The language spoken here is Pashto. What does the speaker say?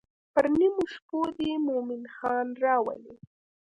پر نیمو شپو دې مومن خان راوی.